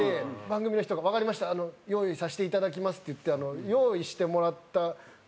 番組の人が「わかりました用意させていただきます」って言って用意してもらった車があるんですけど。